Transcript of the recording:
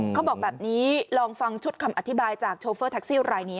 เขาบอกแบบนี้ลองฟังชุดคำอธิบายจากโชเฟอร์แท็กซี่รายนี้